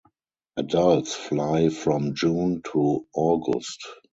Adults fly from June to August.